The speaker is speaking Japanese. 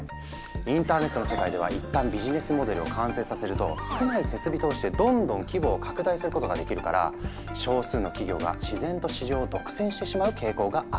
インターネットの世界ではいったんビジネスモデルを完成させると少ない設備投資でどんどん規模を拡大することができるから少数の企業が自然と市場を独占してしまう傾向があるんだ。